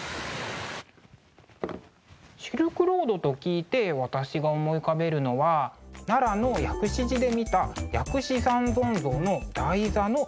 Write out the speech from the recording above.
シルクロードと聞いて私が思い浮かべるのは奈良の薬師寺で見た薬師三尊像の台座の裏の模様ですかね。